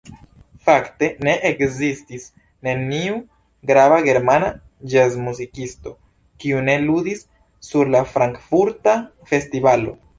Fakte ne ekzistis neniu grava germana ĵazmuzikisto, kiu ne ludis sur la frankfurta festivalo.